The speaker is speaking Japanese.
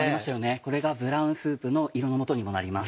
これがブラウンスープの色のもとにもなります。